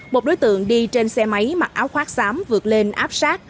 một đối tượng đi trên xe máy mặc áo khoác xám vượt lên áp sát